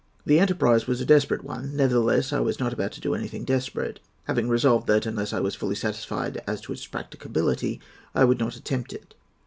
The enterprise was a desperate one; nevertheless, I was not about to do anything desperate, having resolved that, unless I was fully satisfied as to its practicability, I would not attempt it.